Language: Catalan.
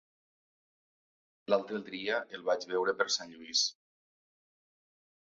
L'altre dia el vaig veure per Sant Lluís.